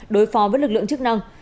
đối phó với lực lượng chức năng